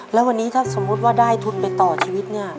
แล้ววันนี้ถ้าสมมุติว่าได้ทุนไปต่อชีวิตเนี่ย